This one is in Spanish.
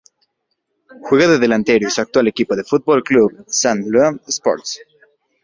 Juega de delantero y su actual equipo es el Football Club Lausanne Sports.